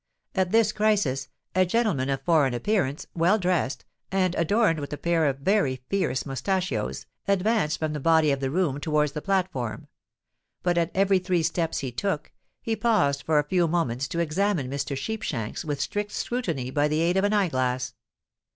At this crisis, a gentleman of foreign appearance, well dressed, and adorned with a pair of very fierce moustachios, advanced from the body of the room towards the platform; but at every three steps he took, he paused for a few moments to examine Mr. Sheepshanks with strict scrutiny by the aid of an eye glass.